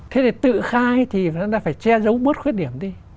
thế thì tự khai thì chúng ta phải che giấu bớt khuyết điểm đi